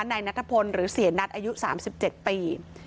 นายนัทพลหรือเสียนัทอายุ๓๗ปี